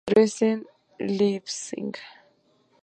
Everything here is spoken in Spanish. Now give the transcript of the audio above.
Dresden; Leipzig"